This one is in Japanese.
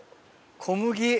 小麦。